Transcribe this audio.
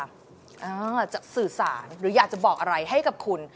อาจจะสื่อสารหรืออยากจะบอกอะไรให้กับคุณ